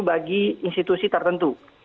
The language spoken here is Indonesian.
bagi institusi tertentu